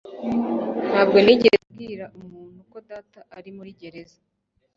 Ntabwo nigeze mbwira umuntu ko data ari muri gereza